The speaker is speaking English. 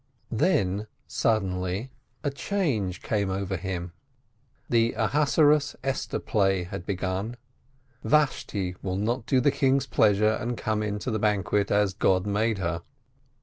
6 78 PEREZ Then suddenly a change came over him. The Ahasuerue Esther play had begun. Vashti will not do the king's pleasure and come in to the banquet as God made her.